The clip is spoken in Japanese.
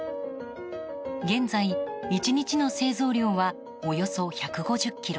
現在、１日の製造量はおよそ１５０ｋｇ。